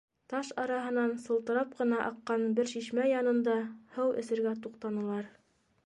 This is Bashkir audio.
Таш араһынан сылтырап ҡына аҡҡан бер шишмә янында һыу эсергә туҡтанылар.